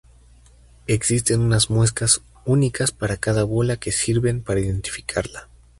Existen unas muescas únicas para cada bola que sirven para identificarla.